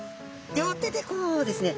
両手でこうですね